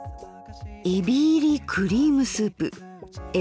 「えび入りクリームスープえ